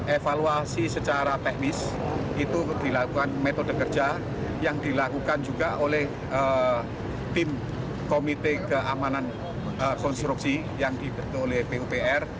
evaluasi secara teknis itu dilakukan metode kerja yang dilakukan juga oleh tim komite keamanan konstruksi yang dibentuk oleh pupr